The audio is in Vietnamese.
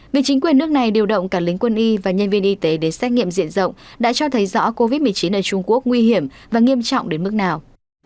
việc chính quyền nước này điều động cả lính quân y và nhân viên y tế đến xét nghiệm diện rộng đã cho thấy rõ covid một mươi chín ở trung quốc nguy hiểm và nghiêm trọng đến mức nào